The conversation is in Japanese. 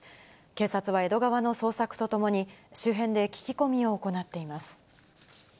警察は江戸川の捜索とともに、周辺で聞き込みを行っています。